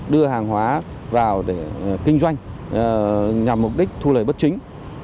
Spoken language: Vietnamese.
đưa hàng hóa vào để kinh doanh nhằm mục đích thu lời bất chính